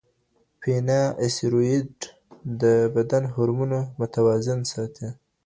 فینا استروئیډ د بدن هورمونونه متوازن ساتي.